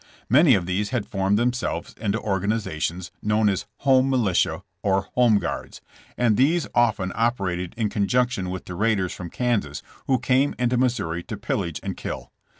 Many of these had formed themselves into organizations known as '' Home Militia " or *' Home Guards, '' and these often operated in conjunction with the raiders from Kansas who came into Missouri to pillage and kill.